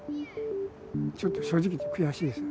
ちょっと正直言って、悔しいです。